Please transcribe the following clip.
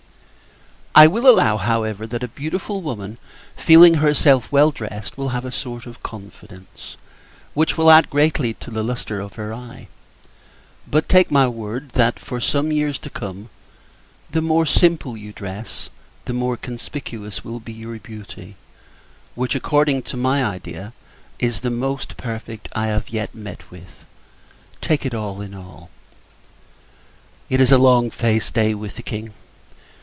I will allow, however, that a beautiful woman, feeling herself well dressed, will have a sort of confidence, which will add greatly to the lustre of her eye: but take my word, that, for some years to come, the more simply you dress, the more conspicuous will be your beauty; which, according to my idea, is the most perfect I have yet met with, take it all in all. It is long faced day with the King.